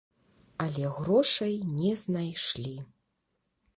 Але грошай не знайшлі.